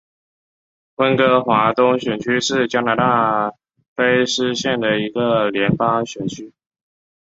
温哥华东选区是加拿大卑诗省的一个联邦选区。